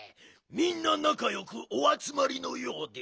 みんななかよくおあつまりのようで。